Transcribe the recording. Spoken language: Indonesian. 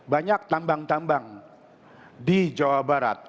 banyak tambang tambang di jawa barat